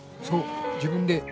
そう自分で。